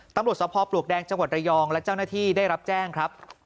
สะพอปลวกแดงจังหวัดระยองและเจ้าหน้าที่ได้รับแจ้งครับ